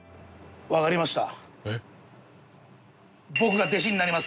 わかりました。